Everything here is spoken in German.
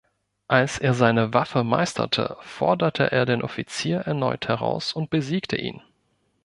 Als er seine Waffe meisterte, forderte er den Offizier erneut heraus und besiegte ihn.